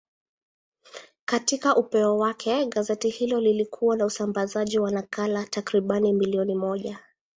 Katika upeo wake, gazeti hilo lilikuwa na usambazaji wa nakala takriban milioni moja.